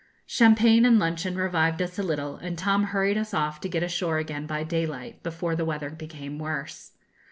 Champagne and luncheon revived us a little, and Tom hurried us off to get ashore again by daylight, before the weather became worse.